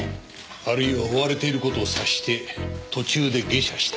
あるいは追われている事を察して途中で下車した。